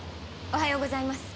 ・おはようございます。